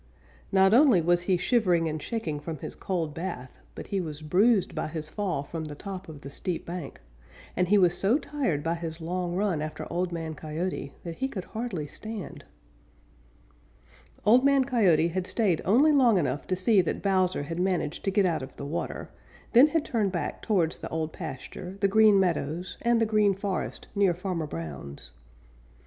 Not only was he shivering and shaking from his cold bath, but he was bruised by his fall from the top of the steep bank, and he was so tired by his long run after Old Man Coyote that he could hardly stand. Old Man Coyote had stayed only long enough to see that Bowser had managed to get out of the water, then had turned back towards the Old Pasture, the Green Meadows and the Green Forest near Farmer Brown's.